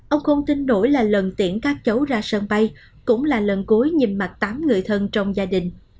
ông không tin đổi là lần tiễn các cháu ra sân bay cũng là lần cuối nhìn mặt tám người thân trong gia đình